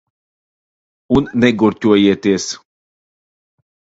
Un negurķojieties.